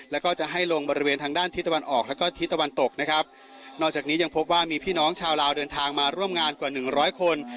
แล้วก็จะให้ลงบริเวณทางด้านทิศตะวันออกแล้วก็ทิศตะวันตกนะครับนอกจากนี้ยังพบว่ามีพี่น้องชาวลาวเดินทางมาร่วมงานกว่าหนึ่งร้อยคน